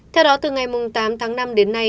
theo đó từ ngày tám tháng năm đến nay